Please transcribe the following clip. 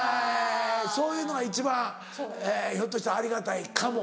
そういうのが一番ひょっとしたらありがたいかも。